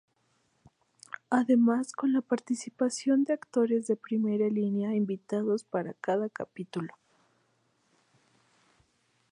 Además con la participación de actores de primera línea invitados para cada capítulo.